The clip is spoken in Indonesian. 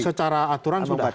secara aturan sudah